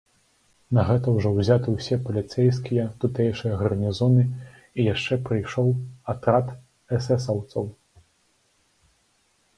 На гэта ўжо ўзяты ўсе паліцэйскія, тутэйшыя гарнізоны, і яшчэ прыйшоў атрад эсэсаўцаў.